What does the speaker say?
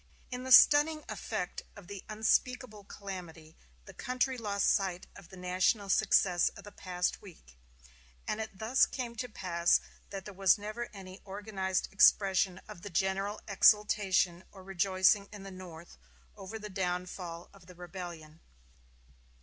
In the stunning effect of the unspeakable calamity the country lost sight of the national success of the past week, and it thus came to pass that there was never any organized expression of the general exultation or rejoicing in the North over the downfall of the rebellion.